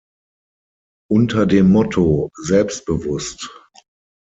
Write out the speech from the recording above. Unter dem Motto "Selbstbewusst.